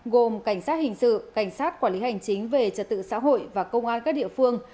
gồm cảnh sát hình sự cảnh sát quản lý hành chính về trật tự xã hội và công an các địa phương